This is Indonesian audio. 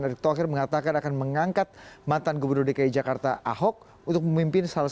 erick thohir mengatakan akan mengangkat mantan gubernur dki jakarta ahok untuk memimpin salah